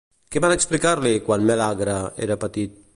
Què van explicar-li quan Melèagre era petit?